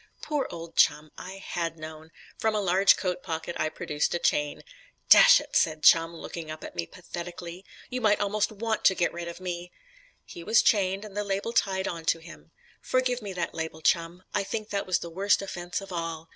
Poor old Chum; I had known. From a large coat pocket I produced a chain. "Dash it," said Chum, looking up at me pathetically, "you might almost want to get rid of me." He was chained, and the label tied on to him. Forgive me that label, Chum; I think that was the worst offence of all.